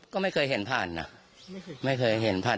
ก็ไม่เคยเห็นผ่านนะไม่เคยไม่เคยเห็นผ่าน